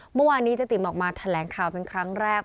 เมื่อวานนี้เจ๊ติ๋มออกมาแถลงข่าวเป็นครั้งแรก